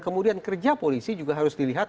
kemudian kerja polisi juga harus dilihat